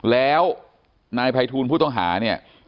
แล้วนายภัยทูลผู้ต้องหาเนี่ย